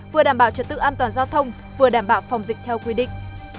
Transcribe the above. vừa đảm bảo trật tự an toàn giao thông vừa đảm bảo phòng dịch theo quy định